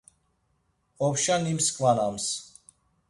Opşa nimsǩvanams.